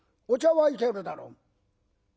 お茶はいけるだろ。